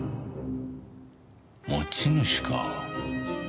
持ち主か。